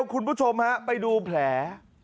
คุณผู้ชมฮะไปดูแผล